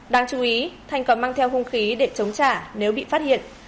đáng chú ý thành còn mang theo hung khí để chống trả nếu bị phát hiện